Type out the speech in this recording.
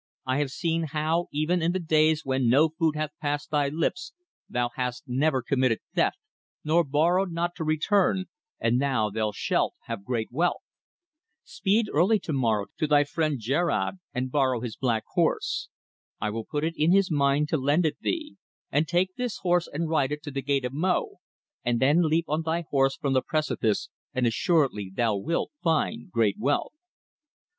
I have seen how, even in the days when no food hath passed thy lips, thou hast never committed theft, nor borrowed not to return, and now thou shalt have great wealth. Speed early to morrow to thy friend Djerad and borrow his black horse. I will put it in his mind to lend it thee; and take this horse and ride it to the Gate of Mo, and then leap on thy horse from the precipice, and assuredly thou wilt find great wealth.'